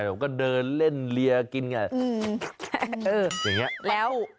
ผมก็เดินเล่นเลียกินกันอย่างนี้แล้ว